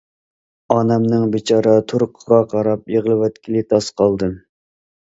ئانامنىڭ بىچارە تۇرقىغا قاراپ يىغلىۋەتكىلى تاس قالدىم.